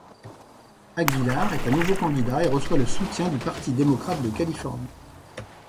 Aguilar est à nouveau candidat et reçoit le soutien du Parti démocrate de Californie.